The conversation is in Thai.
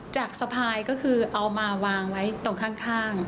สะพายก็คือเอามาวางไว้ตรงข้าง